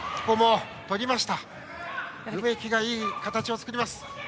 梅木が、いい形を作ります。